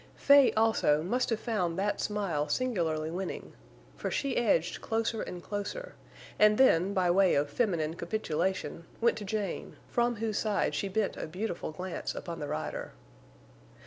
Fay, also, must have found that smile singularly winning. For she edged closer and closer, and then, by way of feminine capitulation, went to Jane, from whose side she bent a beautiful glance upon the rider.